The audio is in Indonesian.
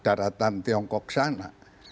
dari daratan tiongkok sana